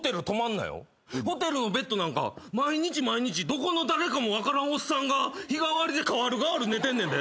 ホテルのベッドなんか毎日毎日どこの誰かも分からんおっさんが日替わりで代わる代わる寝てんねんで。